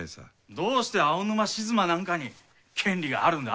どうして青沼静馬なんかに権利があるんだ？